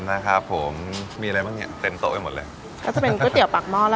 นะครับผมมีอะไรบ้างเนี้ยเตนโตไปหมดเลยก็จะเป็นกระเตี๋ว